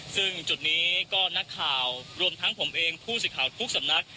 ซึ่งจุดนี้ก็นักข่าวรวมทั้งผมเองผู้สื่อข่าวทุกสำนัก